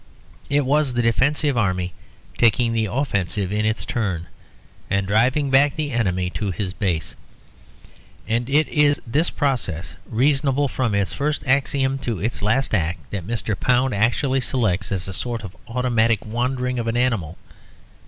It was the defensive army taking the offensive in its turn, and driving back the enemy to his base. And it is this process, reasonable from its first axiom to its last act, that Mr. Pound actually selects as a sort of automatic wandering of an animal.